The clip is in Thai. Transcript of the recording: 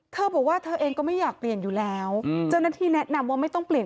เธอบอกว่าเธอเองก็ไม่อยากเปลี่ยนอยู่แล้วเจ้าหน้าที่แนะนำว่าไม่ต้องเปลี่ยน